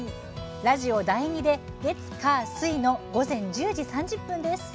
ラジオ第２で、月・火・水の午前１０時３０分です。